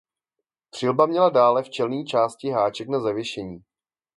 Přilba měla dále v čelní části háček na zavěšení.